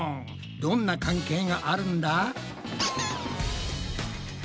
どんな関係があるんだ？